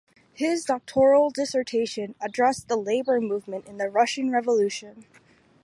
His doctoral dissertation addressed the labor movement in the Russian Revolution.